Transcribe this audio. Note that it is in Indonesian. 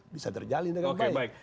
bisa terjalin dengan baik